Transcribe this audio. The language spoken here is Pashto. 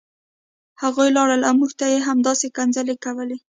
هغوی لاړل او موږ ته یې همداسې کنځلې کولې